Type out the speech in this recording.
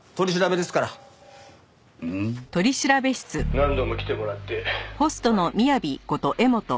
「何度も来てもらって悪いね」